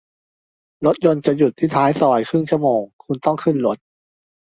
รถยนต์จะหยุดที่ท้ายซอยครึ่งชั่วโมง คุณต้องขึ้นรถ